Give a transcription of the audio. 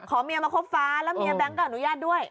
แล้วเมียแบงค์ก็อนุญาตด้วย